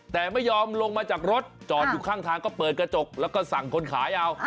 แต่ไม่ยอมลงมาจากรถจอดอยู่ข้างทางก็เปิดกระจกแล้วก็สั่งคนขายเอา